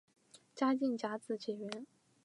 嘉靖甲子解元。